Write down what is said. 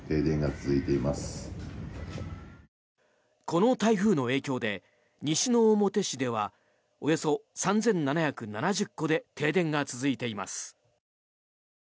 この台風の影響で西之表市ではおよそ３７７０戸で停電が続いています。